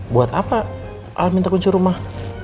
buat apa alam minta kunci rumah